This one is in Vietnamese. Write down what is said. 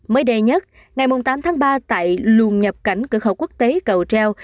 mới đây nhất ngày tám tháng ba tại luồng nhập cảnh cửa khẩu quốc tế cầu treo